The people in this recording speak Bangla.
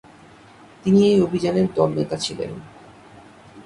তিনি এই অভিযানের দলনেতা ছিলেন।